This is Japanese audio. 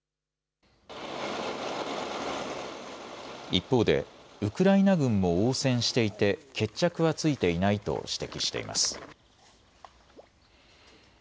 一方でウクライナ軍も応戦していて決着はついていないと指摘しています。